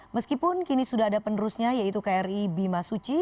meskipun kini sudah ada penerusnya yaitu kri bimasuci